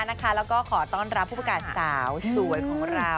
แล้วก็ขอต้อนรับผู้ประกาศสาวสวยของเรา